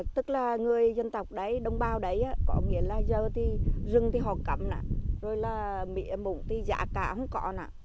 tức là người dân tộc đấy đông bào đấy có nghĩa là giờ thì rừng thì họ cầm nè rồi là mịa mụn thì giá cả không còn nè